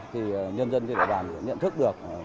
thì nhân dân và đại bàng nhận thức được